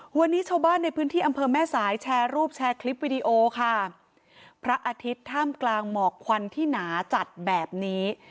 วันนี้ชาวบ้านในพื้นที่อำเภอแม่สายแชร์รูปแชร์คลิปวิดีโอค่ะพระอาทิตย์ท่ามกลางหมอกควันที่หนาจัดแบบนี้